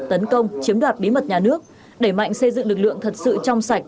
tấn công chiếm đoạt bí mật nhà nước đẩy mạnh xây dựng lực lượng thật sự trong sạch